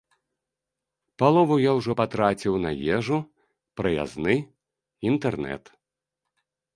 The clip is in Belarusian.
Палову я ўжо патраціў на ежу, праязны, інтэрнэт.